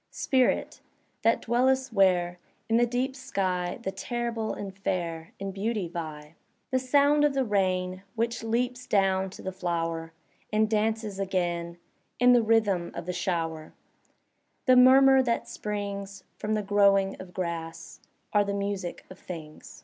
Spirit! that dwellest where* In the deep sky. The terrible and fair In beauty vie! The sound of the rain Which leaps down to the flower. And dances again In the rhythm of the shower; The murmur that springs From the growing of grass Are the music of things.